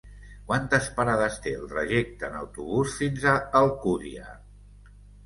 Quantes parades té el trajecte en autobús fins a Alcúdia?